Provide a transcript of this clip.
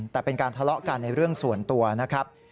แต่เป็นการทะเลาะกันในเรื่องส่วนตัวนะครับ